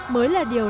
mới là điều lạ